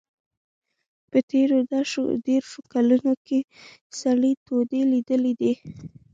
په تېرو دېرشو کلونو کې سړې تودې لیدلي دي.